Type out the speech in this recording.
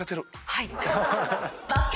はい。